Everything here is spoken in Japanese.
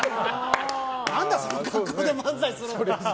何だその格好で漫才するのかって。